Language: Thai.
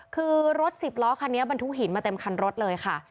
คือรถสิบล้อคันนี้บรรทุกหินมาเต็มคันรถเลยค่ะ